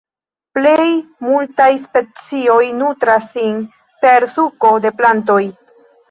Plej multaj specioj nutras sin per suko de plantoj.